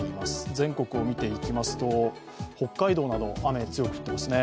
全国を見ていきますと、北海道など雨が強く降っていますね。